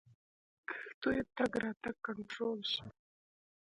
کښتیو تګ راتګ کنټرول شي.